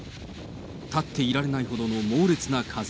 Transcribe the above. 立っていられないほどの猛烈な風。